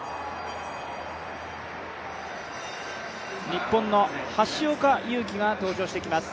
日本の橋岡優輝が登場してきます